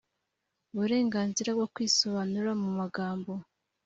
uburenganzira bwo kwisobanura mu magambo